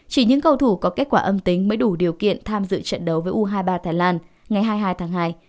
chỉ những cầu thủ có kết quả âm tính mới đủ điều kiện tham dự trận đấu với u hai mươi ba thái lan ngày hai mươi hai tháng hai